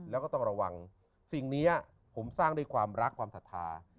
แล้วก็ต้องระวังสิ่งนี้ผมสร้างด้วยความรักความศรัทธา